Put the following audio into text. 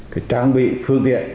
cái trang bị phương tiện